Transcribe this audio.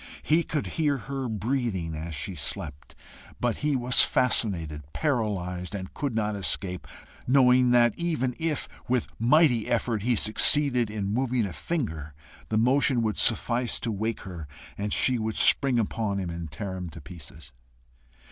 He could hear her breathing as she slept, but he was fascinated, paralyzed, and could not escape, knowing that, even if with mighty effort he succeeded in moving a finger, the motion would suffice to wake her, and she would spring upon him and tear him to pieces.